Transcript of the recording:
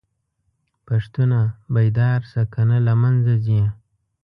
پښتونه!! بيدار شه کنه له منځه ځې